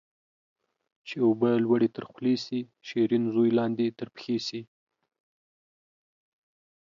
چي اوبه لوړي تر خولې سي ، شيرين زوى لاندي تر پښي سي